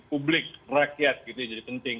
publik rakyat gitu jadi penting